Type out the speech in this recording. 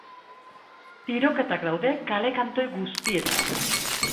Tiroketak daude kale kantoi guztietan.